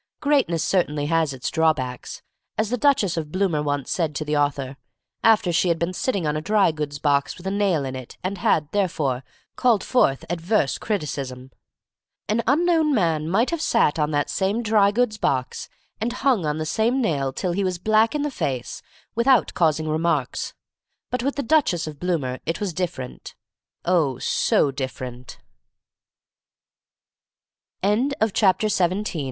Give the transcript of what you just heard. Greatness certainly has its drawbacks, as the Duchess of Bloomer once said to the author, after she had been sitting on a dry goods box with a nail in it, and had, therefore, called forth adverse criticism. An unknown man might have sat on that same dry goods box and hung on the same nail till he was black in the face without causing remarks, but with the Duchess